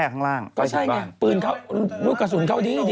คนนี้ก็จะทรงอยู่แล้วแบบปืนเขาดีเธอ